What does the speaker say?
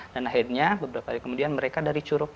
dan akhirnya beberapa hari kemudian mereka dari curup